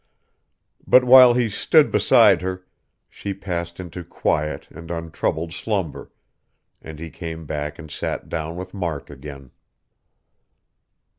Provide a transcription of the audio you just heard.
But while he stood beside her, she passed into quiet and untroubled slumber, and he came back and sat down with Mark again.